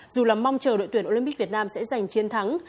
dù là mong chờ đội tuyển olympic việt nam sẽ giành chiến thắng